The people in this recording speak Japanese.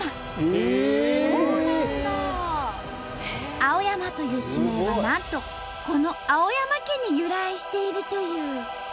「青山」という地名はなんとこの青山家に由来しているという。